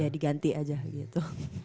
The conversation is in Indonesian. diganti aja gitu